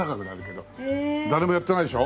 誰もやってないでしょ？